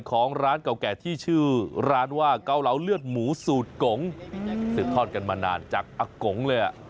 ของร้านเก่าแก่ที่ชื่อร้านว่าเกาเหลาเลือดหมูสูตรกงสืบทอดกันมานานจากอากงเลย